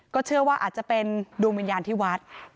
เชื่อว่าอาจจะเป็นดวงวิญญาณที่วัด